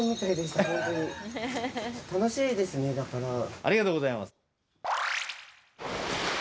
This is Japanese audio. ありがとうございます。